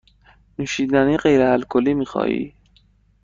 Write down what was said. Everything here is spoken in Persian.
نوشیدنی غیر الکلی می خواهی؟